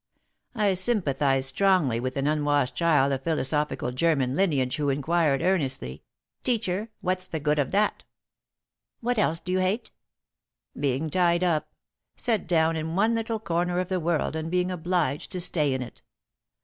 I sympathised strongly with an unwashed child of philosophical German lineage who inquired, earnestly: 'Teacher, what's the good of dat?'" "What else do you hate?" "Being tied up. Set down in one little corner of the world and being obliged to stay in it.